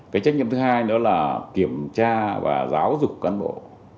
cái trách nhiệm thứ hai nữa là kiểm tra và giáo dục cán bộ